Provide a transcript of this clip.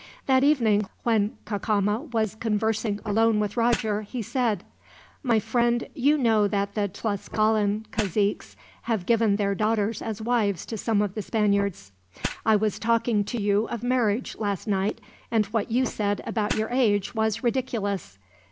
That evening, when Cacama was conversing alone with Roger, he said: "My friend, you know that the Tlascalan caziques have given their daughters as wives to some of the Spaniards. I was talking to you of marriage, last night, and what you said about your age was ridiculous.